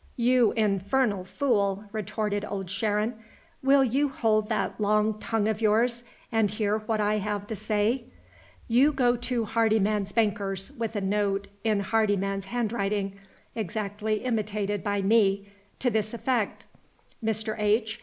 "You infernal fool!" retorted Old Sharon. "Will you hold that long tongue of yours, and hear what I have to say. You go to Hardyman's bankers, with a note in Hardyman's handwriting (exactly imitated by me) to this effect: 'Mr. H.